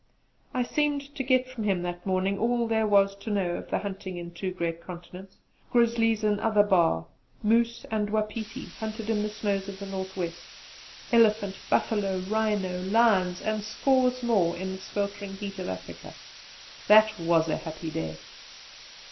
I seemed to get from him that morning all there was to know of the hunting in two great continents Grizzlies and other 'bar,' Moose and Wapiti, hunted in the snows of the North West; Elephant, Buffalo, Rhino, Lions, and scores more, in the sweltering heat of Africa! That was a happy day!